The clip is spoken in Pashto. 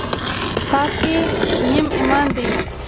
پاکي نیم ایمان دی